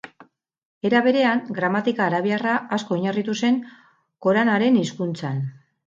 Era berean, gramatika arabiarra asko oinarritu zen Koranaren hizkuntzan.